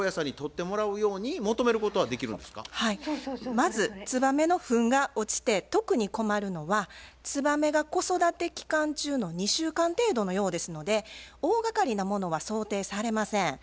まずツバメのフンが落ちて特に困るのはツバメが子育て期間中の２週間程度のようですので大がかりなものは想定されません。